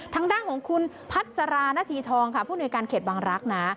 ทางด้านของคุณพัสราณฑีทองค่ะผู้หน่วยการเขตบางรักษ์นะ